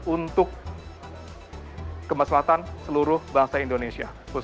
untuk kemaslahan seluruh bangsa indonesia